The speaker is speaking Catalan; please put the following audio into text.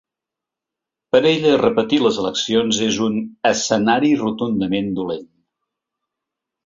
Per ella, repetir les eleccions és un ‘escenari rotundament dolent’.